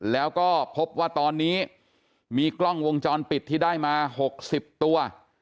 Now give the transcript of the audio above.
แล้วก็พบว่าตอนนี้มีกล้องวงจรปิดที่ได้มา๖๐ตัว